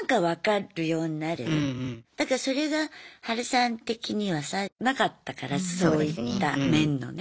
だからそれがハルさん的にはさなかったからそういった面のね。